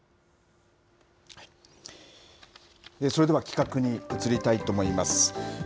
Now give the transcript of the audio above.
それでは企画に移りたいと思います。